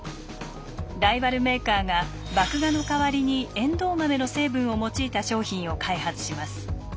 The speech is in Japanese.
ライバルメーカーが麦芽の代わりにエンドウ豆の成分を用いた商品を開発します。